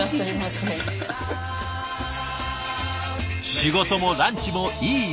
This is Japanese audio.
仕事もランチもいいバランス。